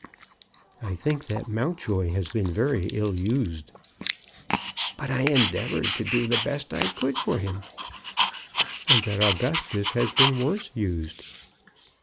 "I think that Mountjoy has been very ill used." "But I endeavored to do the best I could for him." "And that Augustus has been worse used."